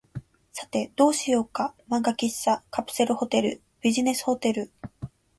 さて、どうしようか。漫画喫茶、カプセルホテル、ビジネスホテル、